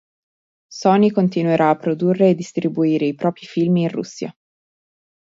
Sony continuerà a produrre e distribuire i propri film in Russia.